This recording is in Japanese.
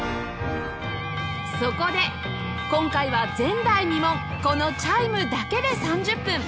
そこで今回は前代未聞このチャイムだけで３０分！